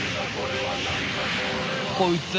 こいつぁ